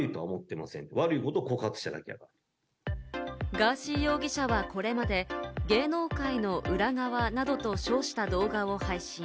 ガーシー容疑者は、これまで、芸能界の裏側などと称した動画を配信。